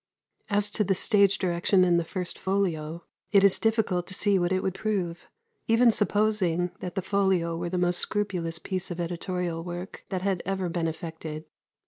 As to the stage direction in the first folio, it is difficult to see what it would prove, even supposing that the folio were the most scrupulous piece of editorial work that had ever been effected.